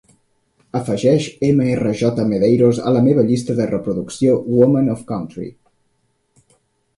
Afegeix mr j medeiros a la meva llista de reproducció Women of Country.